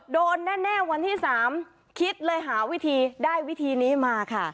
โดนแน่วันที่๓คิดเลยหาวิธีได้วิธีนี้มาค่ะ